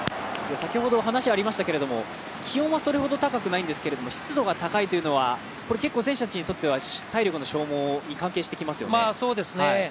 気温はそれほど高くないんですけれども、湿度が高いというのは、結構選手たちにとっては体力の消耗に関係してきますよね？